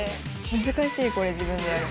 難しいこれ自分でやるの。